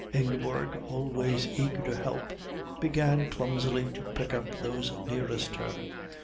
Ingeborg, always eager to help, began clumsily to pick up those nearest her.